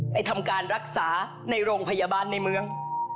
ไปทำการรักษาในโรงพยาบาลในเมือง